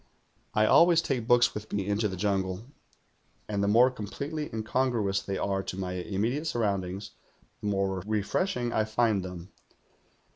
"I always take books with me into the jungle, and the more completely incongruous they are to my immediate surroundings the more refreshing I find them.